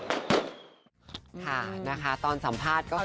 ใช่ค่ะตอนสัมภาษณ์ก็คือว่า